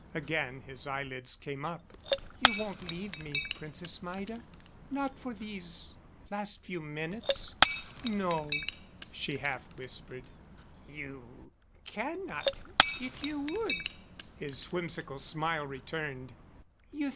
Again his eyelids came up. "You won't leave me Princess Maida. Not for these last few minutes?" "No," she half whispered. "You cannot if you would." His whimsical smile returned.